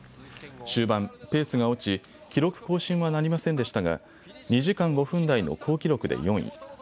終盤、ペースが落ち記録更新はなりませんでしたが２時間５分台の好記録で４位。